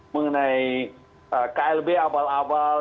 mengenai klb abal abal